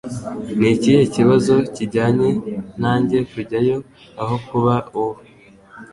Ni ikihe kibazo kijyanye nanjye kujyayo aho kuba wowe